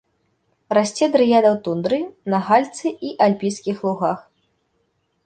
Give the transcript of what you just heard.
Расце дрыяда ў тундры, на гальцы і альпійскіх лугах.